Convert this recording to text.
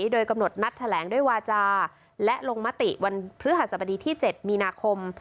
โดยกำหนดนัดแถลงด้วยวาจาและลงมติวันพฤหัสบดีที่๗มีนาคม